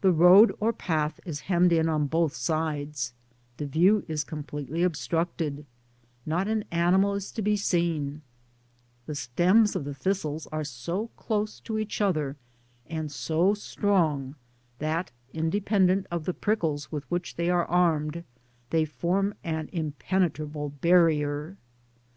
The road or path is hemmed in on both B 2 Digitized byGoogk 4 DESCRIPTIVE OUTI INE sides ; the view is completely obstruct^ ; not an animal is to b^ seen ; and the stems of the thistles are so close to each other, and so strong, that, indepei)dent of the prickles with which they are armed, they form an impenetrable barrier.